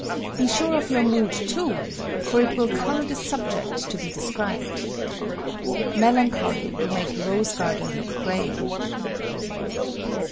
Be sure of your mood, too, for it will color the subject to be described. Melancholy will make a rose garden look gray.